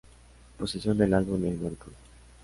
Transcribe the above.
Posición del álbum en Oricon.